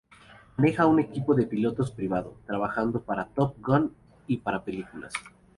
Maneja un equipo de pilotos privado, trabajando para Top Gun y para películas.